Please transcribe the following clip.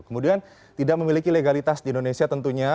kemudian tidak memiliki legalitas di indonesia tentunya